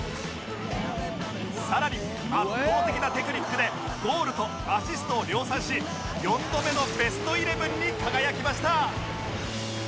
さらに圧倒的なテクニックでゴールとアシストを量産し４度目のベストイレブンに輝きました